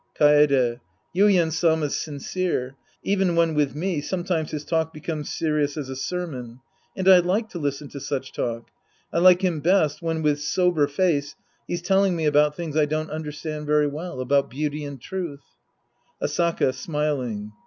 Kaede. Yuien Sama's sincere. Even when with me, sometimes his talk becomes serious as a sermon_ And I like to listen to such talk. I like him best when, with sober face, he's telling me about things I don't understand very well, about beauty and truth. Asaka (smiling).